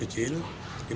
yang terlalu kecil